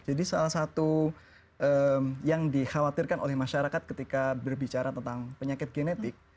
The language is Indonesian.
jadi salah satu yang dikhawatirkan oleh masyarakat ketika berbicara tentang penyakit genetik